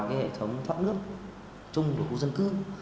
cái hệ thống thoát nước chung của khu dân cư